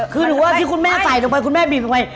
คือหนูว่าที่คุณแม่ใส่ลงไปคุณแม่บีบลงไป